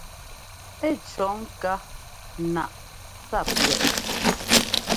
Ɛ́ cɔ̌ ŋká naꞌ tsa pʉ̈ɔt.